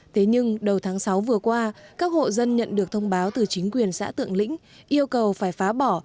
thế nhưng đầu tháng sáu vừa qua các hộ dân nhận được thông báo từ chính quyền xã tượng lĩnh yêu cầu phải phá bỏ